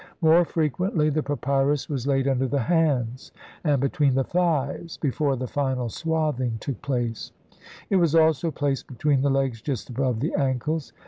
More frequently the papyrus was laid under the hands and between the thighs before the final swathing took place ; it was also placed between the legs just above the ankles.